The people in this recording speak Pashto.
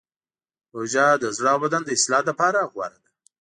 روژه د زړه او بدن د اصلاح لپاره غوره ده.